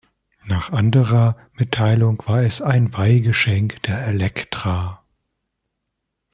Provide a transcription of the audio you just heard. Nach anderer Mitteilung war es ein Weihgeschenk der Elektra.